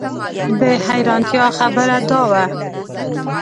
د حیرانتیا خبره دا وه.